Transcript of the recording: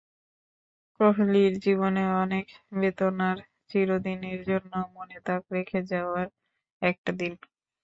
কোহলির জীবনে অনেক বেদনার, চিরদিনের জন্য মনে দাগ রেখে যাওয়ার একটা দিন।